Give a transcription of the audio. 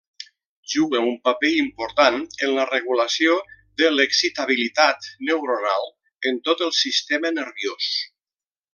Juga un paper important en la regulació de l'excitabilitat neuronal en tot el sistema nerviós.